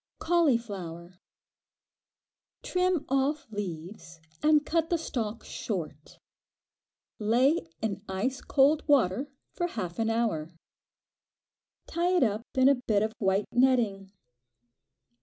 Cauliflower. Trim off leaves and cut the stalk short. Lay in ice cold water for half an hour. Tie it up in a bit of white netting.